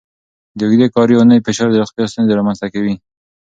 د اوږدې کاري اونۍ فشار د روغتیا ستونزې رامنځته کوي.